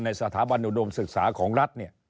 ในสถาบันดุมศึกษาของรัฐ